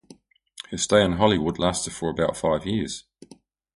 Her stay in Hollywood lasted for about five years.